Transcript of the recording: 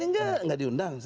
ini tidak diundang